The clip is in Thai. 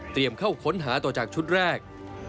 เตรียมเข้าค้นหาต่อจากชุดแรก